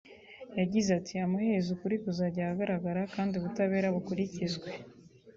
yagize ati “Amaherezo ukuri kuzajya ahagaragara kandi ubutabera bukurikizwe